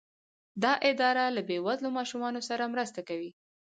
دا اداره له بې وزلو ماشومانو سره مرسته کوي.